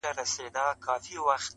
تر اټکه د هلیمند څپې رسیږي-